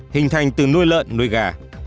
hình thành từ nuôi lợn nuôi gà